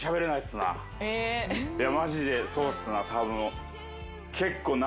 マジでそうっすなたぶん。